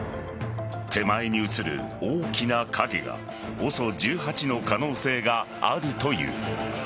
手前に写る大きな影がＯＳＯ１８の可能性があるという。